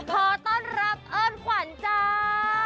ขอต้อนรับเอิ้นขวัญจ้า